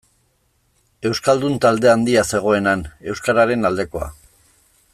Euskaldun talde handia zegoen han, euskararen aldekoa.